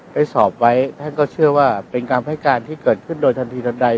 ได้สอบไว้ท่านก็เชื่อว่าเป็นคำให้การที่เกิดขึ้นโดยทันทีทันใด